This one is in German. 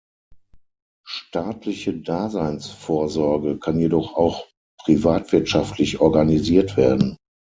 Staatliche Daseinsvorsorge kann jedoch auch privatwirtschaftlich organisiert werden.